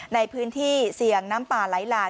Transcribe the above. ในพื้นที่เสี่ยงน้ำป่าไหลหลาก